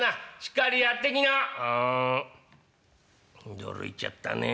驚いちゃったね。